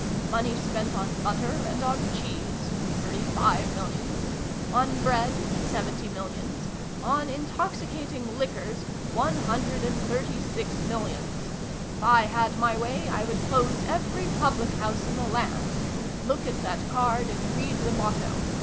Money spent on butter and on cheese, thirty five millions : on bread, seventy millions : on intoxicating liquors, one hundred and thirty six millions ! If I had my way, I would close every public house in the land ! Look at that card, and read the motto.